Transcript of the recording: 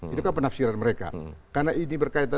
itu kan penafsiran mereka karena ini berkaitan